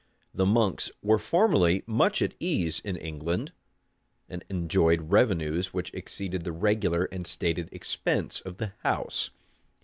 The monks were formerly much at their ease in England, and enjoyed revenues which exceeded the regular and stated expense of the house.